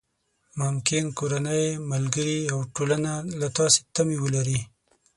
ممکن کورنۍ، ملګري او ټولنه له تاسې تمې ولري.